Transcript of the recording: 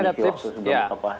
ada tips ya